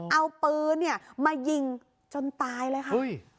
เอาปืนเนี่ยมายิงจนตายเลยค่ะ